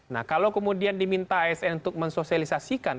nah kalau kemudian diminta asn untuk mensosialisasikan